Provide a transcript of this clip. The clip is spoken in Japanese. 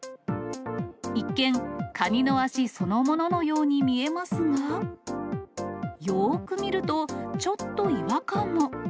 一見、カニの脚そのもののように見えますが、よーく見ると、ちょっと違和感も。